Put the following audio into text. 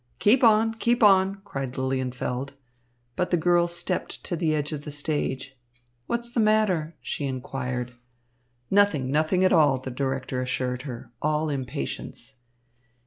"Keep on! Keep on!" cried Lilienfeld. But the girl stepped to the edge of the stage. "What's the matter?" she inquired. "Nothing, nothing at all," the director assured her, all impatience.